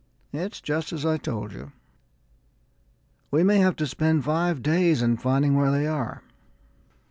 It's just as I told you; we may have to spend five days in finding where they are."